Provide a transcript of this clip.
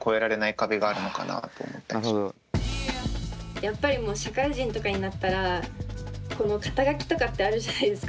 やっぱりもう社会人とかになったらこの肩書とかってあるじゃないですか